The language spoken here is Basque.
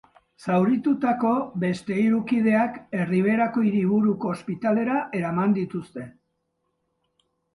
Zauritutako beste hiru kideak erriberako hiriburuko ospitalera eraman dituzte.